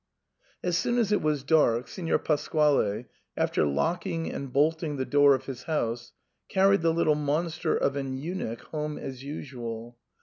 As soon as it was dark, Signor Pasquale, after lock ing and bolting the door of his house, carried the little monster of an eunuch home as usual.